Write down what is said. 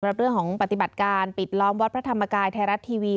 เรื่องของปฏิบัติการปิดล้อมวัดพระธรรมกายไทยรัฐทีวี